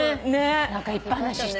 何かいっぱい話して。